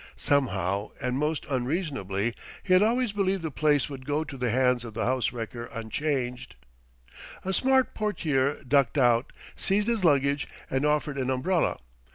Somehow, and most unreasonably, he had always believed the place would go to the hands of the house wrecker unchanged. A smart portier ducked out, seized his luggage, and offered an umbrella.